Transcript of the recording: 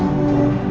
terima kasih ya